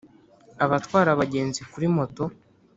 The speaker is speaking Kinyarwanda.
abatwara abagenzi kuri moto